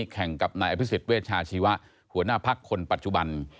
แข่งกับนายอภิษฐ์เวชชาชีวะหัวหน้าภักดิ์คนปัจจุบัน